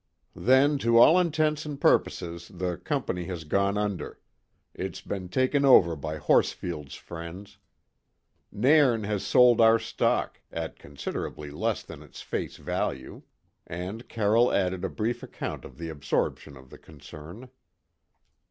"Then to all intents and purposes the company has gone under; it's been taken over by Horsfield's friends. Nairn has sold our stock at considerably less than its face value"; and Carroll added a brief account of the absorption of the concern.